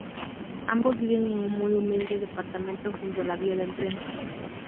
Ambos viven en un muy humilde departamento junto a la vía del tren.